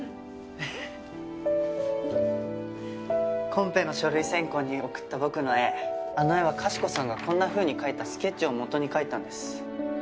コンペの書類選考に送った僕の絵あの絵はかしこさんがこんなふうに描いたスケッチをもとに描いたんです。